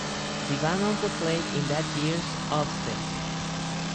The band also played in that year's Ozzfest.